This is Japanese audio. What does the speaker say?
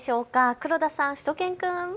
黒田さん、しゅと犬くん。